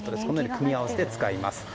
組み合わせて使います。